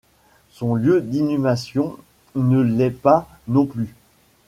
Son lieu d'inhumation ne l'est pas non plus.